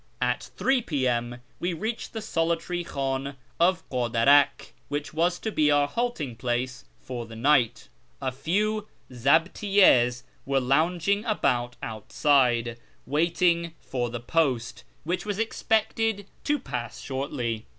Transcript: At 3 p.m. we reached the solitary Ichdn of Kadarak, which was to be our halting place for the night. A few zdbtiyTjds were lounging about outside, waiting for the post, which was expected to pass shortly.